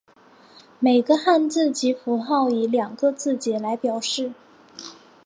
每个汉字及符号以两个字节来表示。